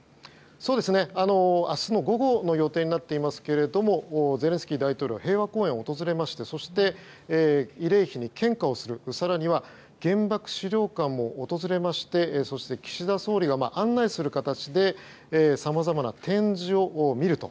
明日の午後の予定になっていますけれどもゼレンスキー大統領平和公園を訪れましてそして、慰霊碑に献花をする更には原爆資料館を訪れましてそして、岸田総理が案内する形でさまざまな展示を見ると。